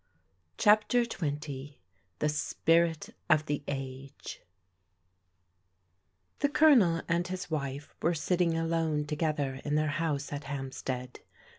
CHAPTER XX THE SPIRIT OF THE AGE THE Colonel and his wife were sitting alone together in their house at Hampstead.